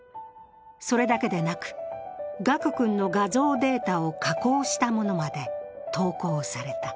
それだけでなく、賀久君の画像データを加工したものまで投稿された。